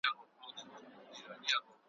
نذرانه مو غبرګي سترګي ورلېږلي `